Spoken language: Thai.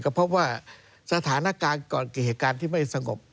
ก็พบว่าสถานการณ์ก่อนกี่เหตุการณ์ที่ไม่สงบ